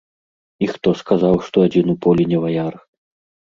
І хто сказаў, што адзін у полі не ваяр?